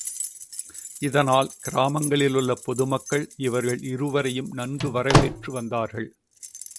இதனால், கிராமங்களிலுள்ள பொதுமக்கள் இவர்கள் இருவரையும் நன்கு வரவேற்று வந்தார்கள்.